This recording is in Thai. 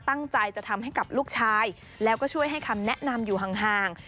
ตั้งใจจะทำให้กับลูกชายแล้วก็ช่วยให้คำแนะนำอยู่ห่าง